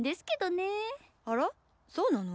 そうなの？